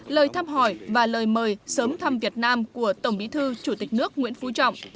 lời thăm hỏi và lời mời sớm thăm việt nam của tổng bí thư chủ tịch nước nguyễn phú trọng